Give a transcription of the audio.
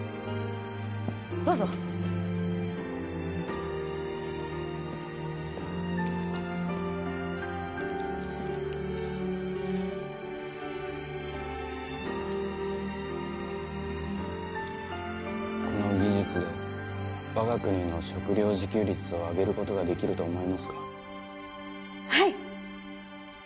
どうぞこの技術で我が国の食料自給率を上げることができると思いますかはい！